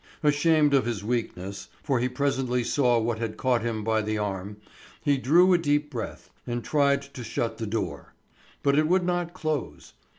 Ashamed of his weakness, for he presently saw what had caught him by the arm, he drew a deep breath, and tried to shut the door. But it would not close.